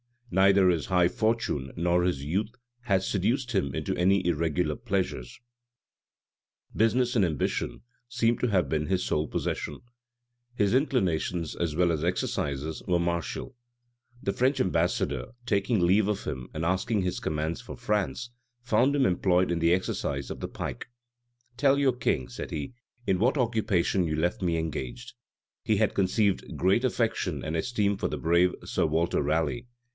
Neither his high fortune, nor his youth, had seduced him into any irregular pleasures: business and ambition seem to have been his sole passion. His inclinations, as well as exercises, were martial. The French ambassador, taking leave of him, and asking his commands for France, found him employed in the exercise of the pike: "Tell your king," said he, "in what occupation you left me engaged."[*] He had conceived great affection and esteem for the brave Sir Walter Raleigh.